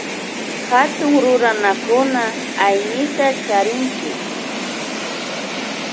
Tukuy runakunaka hayñita charinchik